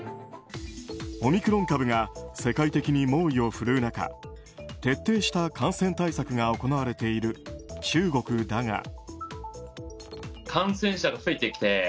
オミクロン株が世界的に猛威を振るう中徹底した感染対策が行われている中国だが。